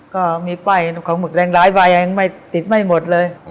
ก็มีป้ายของหมึกแดงหลายยังติดไม่หมดเลย